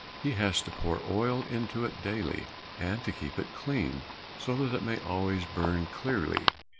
He has to pour oil into it daily, and to keep it clean, so that it may always burn clearly.